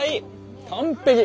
完璧！